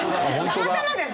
たまたまです！